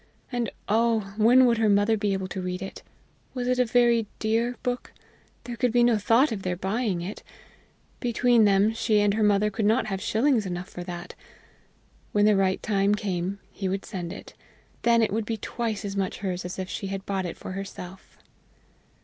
And, oh! when would her mother be able to read it? Was it a very dear book? There could be no thought of their buying it! Between them, she and her mother could not have shillings enough for that. When the right time came, he would send it. Then it would be twice as much hers as if she had bought it for herself.